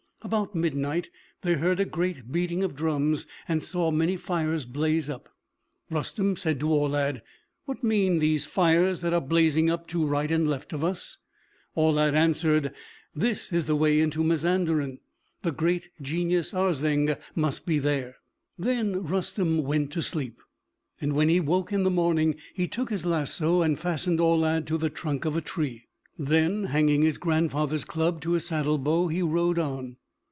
About midnight they heard a great beating of drums, and saw many fires blaze up. Rustem said to Aulad, "What mean these fires that are blazing up to right and left of us?" Aulad answered, "This is the way into Mazanderan. The great Genius Arzeng must be there." Then Rustem went to sleep; and when he woke in the morning he took his lasso and fastened Aulad to the trunk of a tree. Then hanging his grandfather's club to his saddlebow, he rode on.